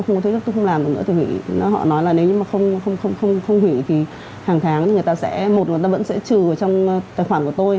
không hủy thì hàng tháng người ta sẽ một người ta vẫn sẽ trừ trong tài khoản của tôi